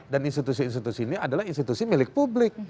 dan institusi institusi ini adalah institusi milik publik